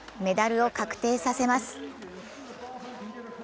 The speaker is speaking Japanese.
メダルを確定させます。